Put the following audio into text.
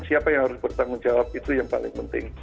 siapa yang harus bertanggung jawab itu yang paling penting